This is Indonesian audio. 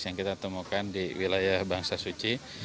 yang kita temukan di wilayah bangsa suci